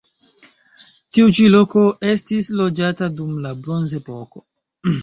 Tiu ĉi loko estis loĝata dum la bronzepoko.